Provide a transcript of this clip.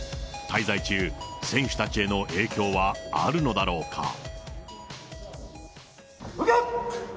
滞在中、選手たちへの影響はあるのだろうか。